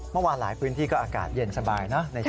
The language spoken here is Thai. เมื่อวานหลายพื้นที่ก็อากาศเย็นสบายนะ